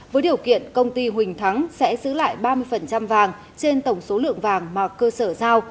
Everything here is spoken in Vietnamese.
với điều kiện công ty huỳnh thắng sẽ giữ lại ba mươi vàng trên tổng số lượng vàng mà cơ sở giao